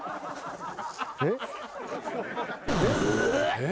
えっ？